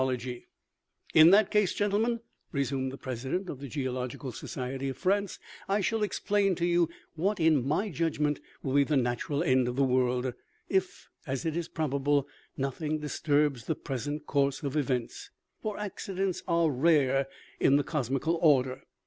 77 " In that case, gentlemen," resumed the president of the geological society of France, " I shall explain to you what, in my judgment, will be the natural end of the world, if, as is probable, nothing disturbs the present course of events ; for accidents are rare in the cosmical order.